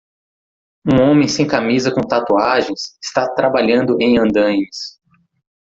Um homem sem camisa com tatuagens está trabalhando em andaimes.